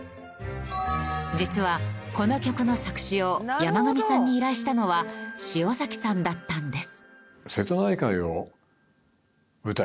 実はこの曲の作詞を山上さんに依頼したのは塩崎さんだったんです。